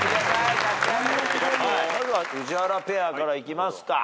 まずは宇治原ペアからいきますか。